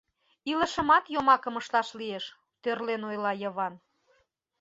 — Илышымат йомакым ышташ лиеш, — тӧрлен ойла Йыван.